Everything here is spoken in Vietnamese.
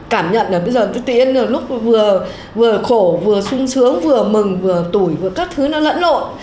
cảm nhận là bây giờ tuy nhiên là lúc vừa khổ vừa sung sướng vừa mừng vừa tủi vừa các thứ nó lẫn lộn